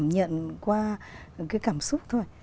nhận qua cái cảm xúc thôi